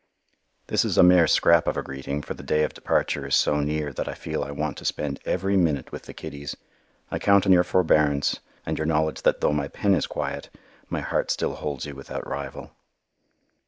This is a mere scrap of a greeting, for the day of departure is so near that I feel I want to spend every minute with the kiddies. I count on your forbearance, and your knowledge that though my pen is quiet, my heart still holds you without rival.